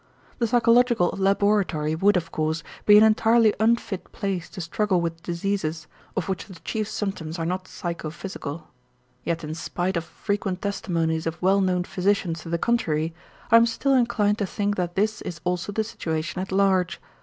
The psychological laboratory would, of course, be an entirely unfit place to struggle with diseases of which the chief symptoms are not psychophysical. Yet in spite of frequent testimonies of well known physicians to the contrary, I am still inclined to think that this is also the situation at large.